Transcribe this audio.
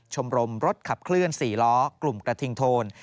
ชมรมรถขับเคลื่อน๔ล้อกลุ่มกระทิงโทน